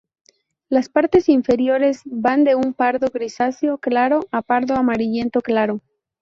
Las partes inferiores van de un pardo grisáceo claro a pardo amarillento claro.